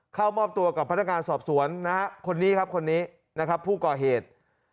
เข้ามอบตัวกับพนักงานสอบสวนนะฮะคนนี้ครับคนนี้นะครับผู้ก่อเหตุ